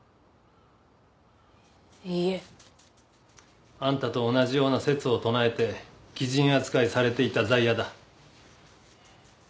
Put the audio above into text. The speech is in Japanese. いえ。あんたと同じような説を唱えて奇人扱いされていた在野だ。